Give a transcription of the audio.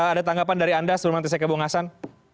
ada tanggapan dari anda sebelum nanti saya ke bung hasan